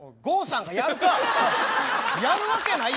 やるわけないやろ。